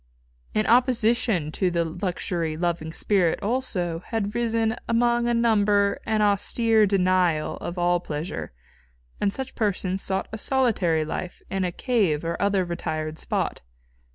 In opposition to the luxury loving spirit, also, had risen among a number an austere denial of all pleasure, and such persons sought a solitary life in a cave or other retired spot.